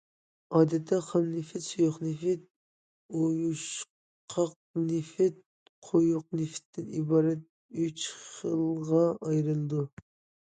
ئادەتتە، خام نېفىت سۇيۇق نېفىت، ئۇيۇشقاق نېفىت، قويۇق نېفىتتىن ئىبارەت ئۈچ خىلغا ئايرىلىدۇ.